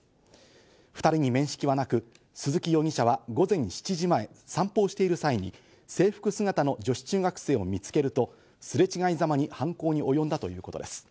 ２人に面識はなく、鈴木容疑者は午前７時前、散歩をしている際に制服姿の女子中学生を見つけると、すれ違いざまに犯行におよんだということです。